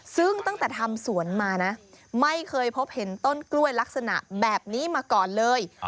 ซึ่งตั้งแต่ทำสวนมานะไม่เคยพบเห็นต้นกล้วยลักษณะแบบนี้มาก่อนเลย